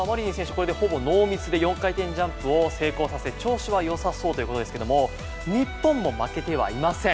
これでほぼノーミスで４回転ジャンプを成功させ調子は良さそうということですけども日本も負けてはいません。